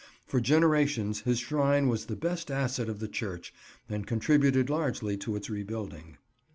For generations his shrine was the best asset of the church and contributed largely to its rebuilding.